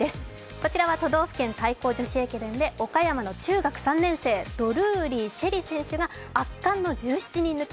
こちらは都道府県対抗女子駅伝で岡山の中学３年生、ドルーリー朱瑛里選手が圧巻の１７人抜き